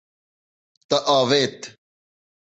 Te avêt.